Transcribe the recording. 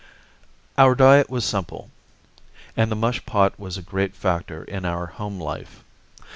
] Our diet was simple, and the mush pot was a great factor in our home life.